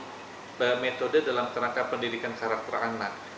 ini adalah metode khusus metode dalam tenaga pendidikan karakter anak